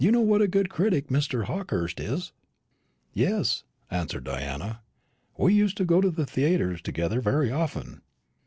You know what a good critic Mr. Hawkehurst is?" "Yes," answered Diana; "we used to go to theatres together very often."